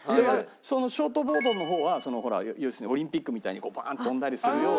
そのショートボードの方はほら要するにオリンピックみたいにバーンって跳んだりするような。